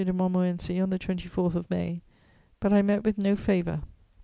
de Montmorency on the 24th of May; but I met with no favour.